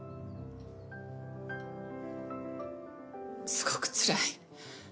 すごくつらい。